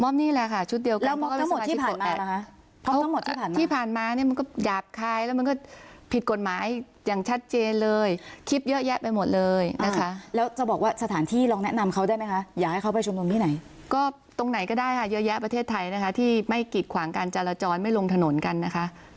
ที่ลองแนะนำเขาได้ไหมคะอยากเข้าไปชุมนุมที่ไหนก็ตรงไหนก็ได้ค่ะเยอะแยะประเทศไทยนะคะที่ไม่กิดขวางการจารจรไม่ลงถนนกันนะคะ